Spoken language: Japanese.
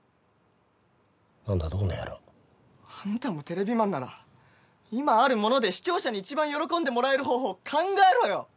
何だとこの野郎。あんたもテレビマンなら今あるもので視聴者に一番喜んでもらえる方法を考えろよ！